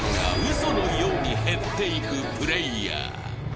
そのように減っていくプレーヤー。